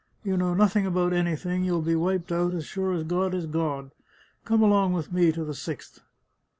You know nothing about anything ; you'll be wiped out, as sure as God is God; come along with me to the Sixth